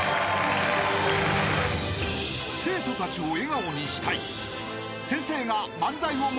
［生徒たちを笑顔にしたい］